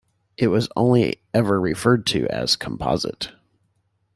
It was only ever referred to as "Composite".